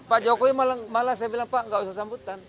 pak jokowi malah saya bilang pak nggak usah sambutan